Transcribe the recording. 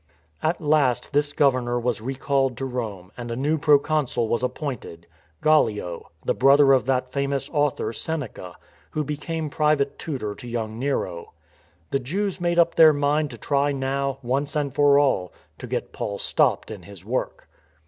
At last this governor was recalled to Rome and a new proconsul was appointed — Gallic, the brother of that famous author Seneca, who became private tutor to young Nero. The Jews made up their mind to try now, once and for all, to get Paul stopped in his work.